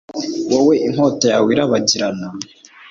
wowe inkota yawe irabagirana